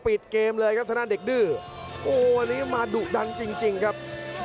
ปิดเกมเลยครับทางด้านเด็กดื้อโอ้โหวันนี้มาดุดันจริงจริงครับ